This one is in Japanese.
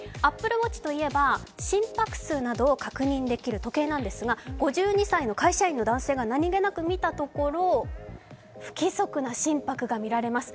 ＡｐｐｌｅＷａｔｃｈといえば心拍数などを確認できる時計ですが５２歳の会社員の男性が何気なく見たところ、「不規則な心拍が見られます」